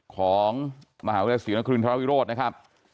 ของมหาวิทยาศิรินทรวจนะครับ